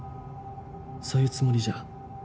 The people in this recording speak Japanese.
そういうつもりじゃ。